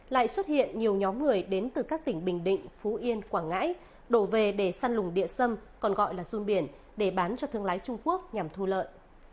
lại xuất hiện nhiều nhóm người đến từ các tỉnh bình định phú yên quảng ngãi đổ về để săn lùng địa xâm còn gọi là run biển để bán cho thương lái trung quốc nhằm thu lợi